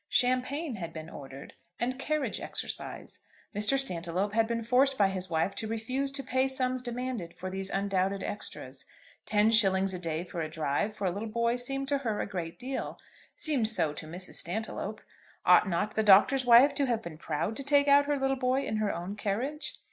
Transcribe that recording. Champagne had been ordered, and carriage exercise. Mr. Stantiloup had been forced by his wife to refuse to pay sums demanded for these undoubted extras. Ten shillings a day for a drive for a little boy seemed to her a great deal, seemed so to Mrs. Stantiloup. Ought not the Doctor's wife to have been proud to take out her little boy in her own carriage?